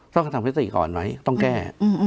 ต้องค่อยทำประติก่อนไหมต้องแก้